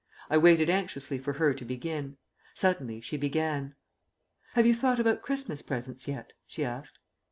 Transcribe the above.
I waited anxiously for her to begin. Suddenly she began. "Have you thought about Christmas presents yet?" she asked.